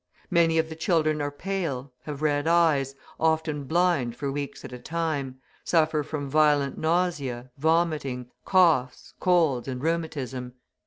Many of the children are pale, have red eyes, often blind for weeks at a time, suffer from violent nausea, vomiting, coughs, colds, and rheumatism.